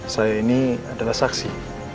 saya ini adalah saksi